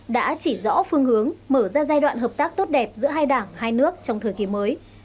đã chỉ rõ phương hướng mở ra giai đoạn hợp tác tốt đẹp giữa hai đảng hai nước trong thời kỳ mới